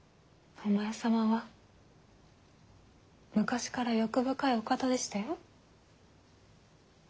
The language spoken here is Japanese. お前様は昔から欲深いお方でしたよ。